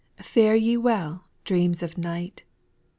8. Fare ye well, dreams of night.